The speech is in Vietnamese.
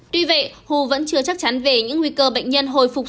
tuy vậy hồ vẫn chưa chắc chắn về những nguy cơ bệnh nhân hồi phục